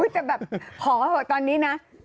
แต่แบบขอตอนนี้นะ